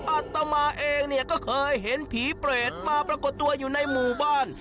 อัตมาเองเนี่ยก็เคยเห็นผีเปรตมาปรากฏตัวอยู่ในหมู่บ้าน